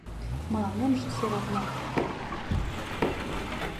Мыланемже серовно.